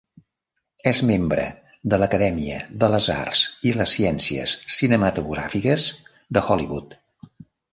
És membre de l'Acadèmia de les Arts i les Ciències Cinematogràfiques de Hollywood.